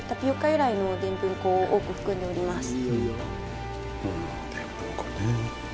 由来のでんぷん粉を多く含んでおります